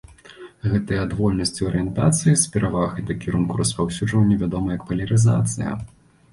Гэтая адвольнасць ў арыентацыі з перавагай да кірунку распаўсюджвання вядома як палярызацыя.